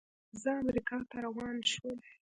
زه امریکا ته روان شوم.